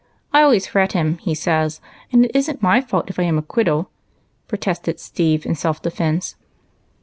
I always fret him, he says, and it is n't my fault if I am a quiddle," protested Steve, in self defence.